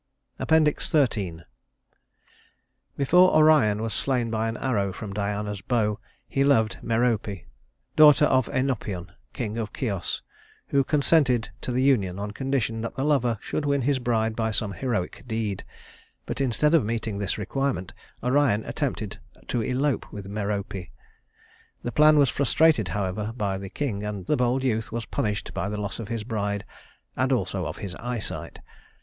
XIII Before Orion was slain by an arrow from Diana's bow he loved Merope, daughter of Œnopion, king of Chios, who consented to the union on condition that the lover should win his bride by some heroic deed. But instead of meeting this requirement, Orion attempted to elope with Merope. The plan was frustrated, however, by the king; and the bold youth was punished by the loss of his bride and also of his eyesight.